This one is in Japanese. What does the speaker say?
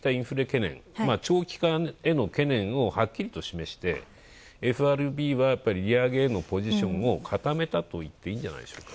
一時的と言ってきたインフレ懸念、長期化への懸念をはっきりと示して、ＦＲＢは利上げへのポジションをかためたといっていいんじゃないでしょうか。